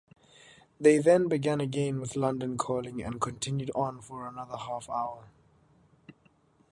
They then began again with "London Calling" and continued on for another half-hour.